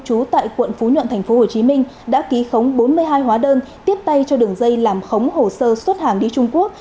chú tại quận phú nhuận tp hcm đã ký khống bốn mươi hai hóa đơn tiếp tay cho đường dây làm khống hồ sơ xuất hàng đi trung quốc